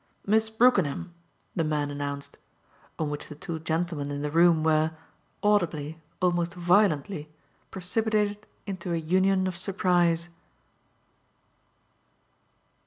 "Miss Brookenham!" the man announced; on which the two gentlemen in the room were audibly, almost violently precipitated into a union of surprise.